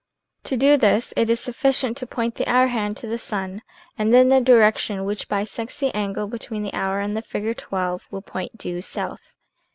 To do this it is sufficient to point the hour hand to the sun and then the direction which bisects the angle between the hour and the figure XII will point due south.